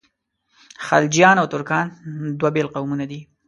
خلجیان او ترکان دوه بېل قومونه دي.